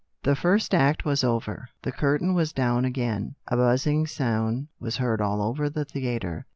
The first act was over, the curtain was down again. A buzzing sound was heard all over the theatre.